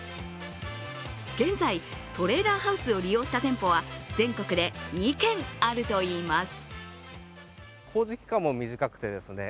現在トレーラーハウスを利用した店舗は、全国で２軒あるといいます。